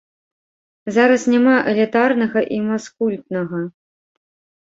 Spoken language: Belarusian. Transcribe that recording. Зараз няма элітарнага і маскультнага.